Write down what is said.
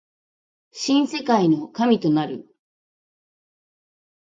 新世界の神となる